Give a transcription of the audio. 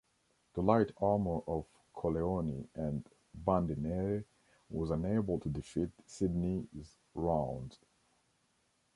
The light armour of "Colleoni" and "Bande Nere" was unable to defeat "Sydney"'s rounds.